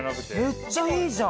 めっちゃいいじゃん。